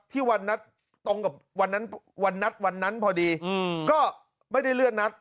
วันนัดตรงกับวันนั้นวันนัดวันนั้นพอดีก็ไม่ได้เลื่อนนัด